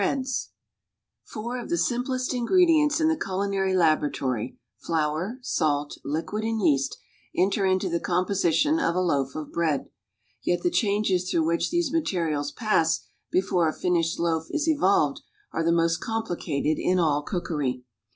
72 Four of the simplest ingredients in the cuhnary hiboratory, flour, salt, li(|uitl and yeast, enter into the composition of a loaf of bread; yet the changes tiirougli which tiiese materials pass before a finished loaf is e\olvetl are the most coni])licated in all cookery.